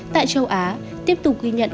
tại châu á tiếp tục ghi nhận